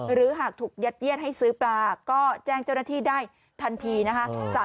หรือหากถูกยัดเยียดให้ซื้อปลาก็แจ้งเจ้าหน้าที่ได้ทันทีนะคะ